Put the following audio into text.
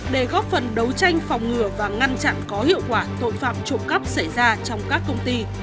để góp phần đấu tranh phòng ngừa và ngăn chặn có hiệu quả tội phạm trộm cắp xảy ra trong các công ty